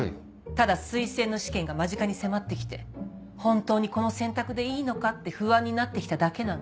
ただ推薦の試験が間近に迫ってきて「本当にこの選択でいいのか」って不安になってきただけなの。